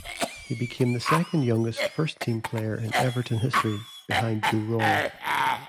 He became the second youngest first-team player in Everton history behind Joe Royle.